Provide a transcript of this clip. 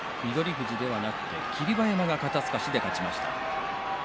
富士ではなく霧馬山が肩すかしで勝ちました。